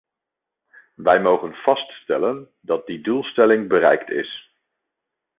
Wij mogen vaststellen dat die doelstelling bereikt is.